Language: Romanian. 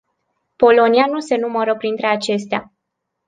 Polonia nu se numără printre acestea.